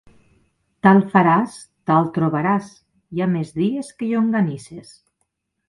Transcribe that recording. Tal faràs, tal trobaràs: hi ha més dies que llonganisses.